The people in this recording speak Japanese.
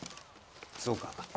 そうか。